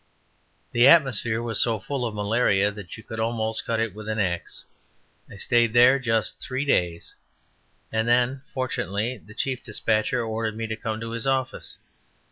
The atmosphere was so full of malaria, that you could almost cut it with an axe. I stayed there just three days, and then, fortunately, the chief despatcher ordered me to come to his office.